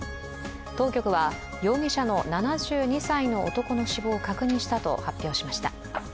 当局は容疑者の７２歳の男の死亡を確認したと発表しました。